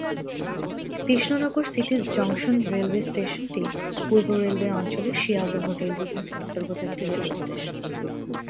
Krishnanagar city junction railway স্টেশনটি পূর্ব railway অঞ্চলের শিয়ালদহ রেল বিভাগের অন্তর্গত একটি রেলওয়ে স্টেশন।